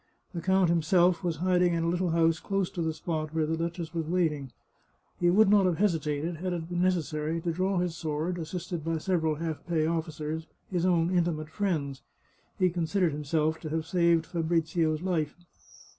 The count himself was hiding in a little house close to the spot where the duchess was waiting. He would not have hesi tated, had it been necessary, to draw his sword, assisted by several half pay officers, his own intimate friends. He con sidered himself bound to save Fabrizio's life.